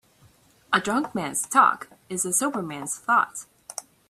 A drunk man's talk is a sober man's thought.